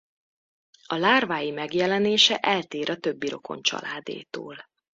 A lárváik megjelenése eltér a többi rokon családétól.